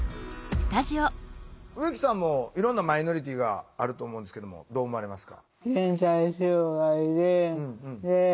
植木さんもいろんなマイノリティーがあると思うんですけどもどう思われますか？